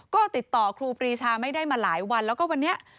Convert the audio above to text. ก็ติดต่อครูปรีชาไม่ได้มาหลายวันแล้วก็วันนี้